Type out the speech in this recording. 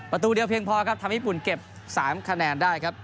ประตูเดียวเพียงพอครับทำให้ญี่ปุ่นเก็บ๓คะแนนได้ครับ